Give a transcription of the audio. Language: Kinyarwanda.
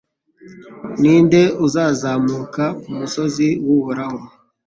Ni nde uzazamuka ku musozi w’Uhoraho